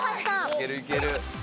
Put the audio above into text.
いけるいける。